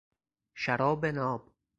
شراب ناب